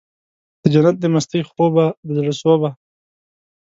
دجنت د مستۍ خوبه د زړه سوبه